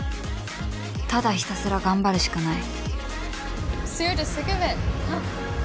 ただひたすら頑張るしかない